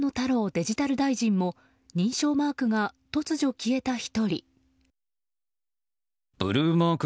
デジタル大臣も認証マークが突如消えた１人。